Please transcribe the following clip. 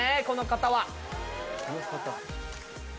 この方は。